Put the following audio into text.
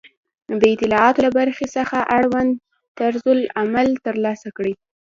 د اطلاعاتو له برخې څخه اړوند طرزالعمل ترلاسه کړئ